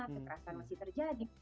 kekerasan masih terjadi